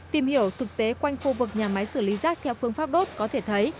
tìm hiểu thực tế quanh khu vực nhà máy xử lý rác theo phương pháp đốt có thể thấy